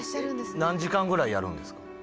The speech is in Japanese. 何時間ぐらいやるんですか？